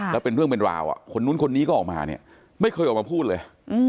แล้วเป็นเรื่องเป็นราวคนนู้นคนนี้ก็ออกมาเนี่ยไม่เคยออกมาพูดเลย